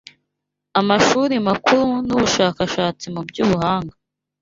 Amashuri Makuru n’Ubushakashatsi mu by’Ubuhanga